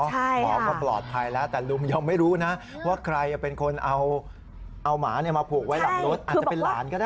หมอก็ปลอดภัยแล้วแต่ลุงยังไม่รู้นะว่าใครเป็นคนเอาหมามาผูกไว้หลังรถอาจจะเป็นหลานก็ได้